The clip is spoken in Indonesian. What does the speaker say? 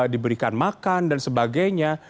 diberikan makan dan sebagainya